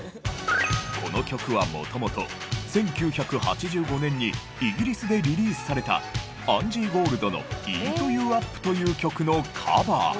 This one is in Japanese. この曲はもともと１９８５年にイギリスでリリースされたアンジー・ゴールドの『ＥａｔＹｏｕＵｐ』という曲のカバー。